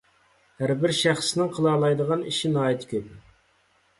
ھەربىر شەخسنىڭ قىلالايدىغان ئىشى ناھايىتى كۆپ.